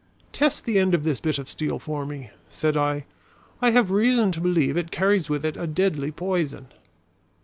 "Test the end of this bit of steel for me," said I. "I have reason to believe it carries with it a deadly poison."